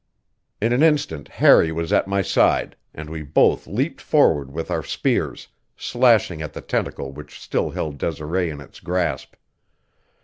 In an instant Harry was at my side, and we both leaped forward with our spears, slashing at the tentacle which still held Desiree in its grasp.